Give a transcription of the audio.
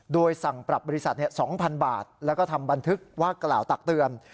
โดยสั่งปรับบริษัท๒๐๐๐บาทแล้วก็ทำบันทึกว่ากล่าวตักเตือน